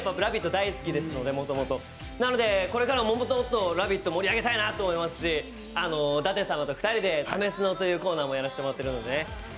大好きなのでなのでこれからももっともっと「ラヴィット！」盛り上げたいなと思いますし舘様と２人で「＃ためスノ」というコーナーもやらしてもらってるので